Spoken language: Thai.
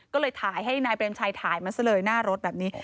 ก็เลยถ่ายให้นายเปรมชัยถ่ายมันซะเลยหน้ารถแบบนี้